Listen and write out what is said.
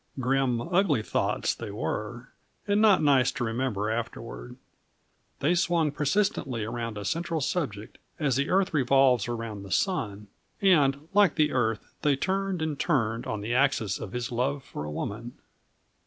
Grim, ugly thoughts they were, and not nice to remember afterward. They swung persistently around a central subject, as the earth revolves around the sun; and, like the earth, they turned and turned on the axis of his love for a woman.